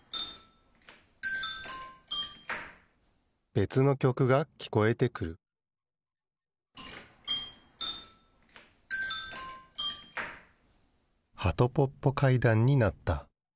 べつのきょくがきこえてくるはとぽっぽ階段になった。